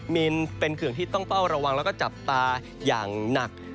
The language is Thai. มีนเป็นเขื่อนที่ต้องเฝ้าระวังแล้วก็จับตาอย่างหนัก